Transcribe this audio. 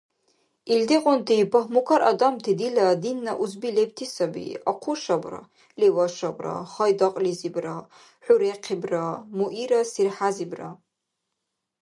Илдигъунти пагьмукар адамти-дила динна узби лебти саби Ахъушабра, Лавашабра, Хайдакьлизибра, ХӀурехъибра, Муира-СирхӀязибра…